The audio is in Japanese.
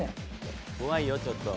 怖いよちょっと。